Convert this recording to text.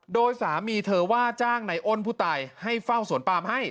โดยสามีเธอว่าจ้างในอ้นผู้ตายให้เฝ้าสวนปามให้